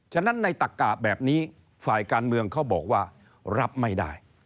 ฉะนั้นในตักกะแบบนี้ฝ่ายการเมืองเขาบอกว่ารับไม่ได้